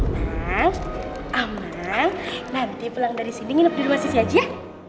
inang amang nanti pulang dari sini nginep di rumah sisi aja ya